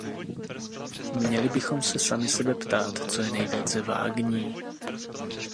Měli bychom se sami sebe ptát, co je nejvíce vágní.